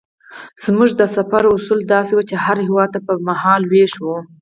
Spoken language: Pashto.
زموږ د سفر اصول داسې وو چې هر هېواد ته به مهال وېش وو.